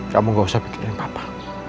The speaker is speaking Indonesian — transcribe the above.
kamu gak usah pikirin papa